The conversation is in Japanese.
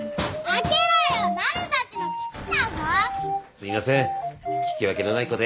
すみません聞き分けのない子で。